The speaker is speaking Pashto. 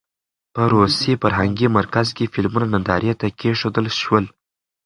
په روسي فرهنګي مرکز کې فلمونه نندارې ته کېښودل شول.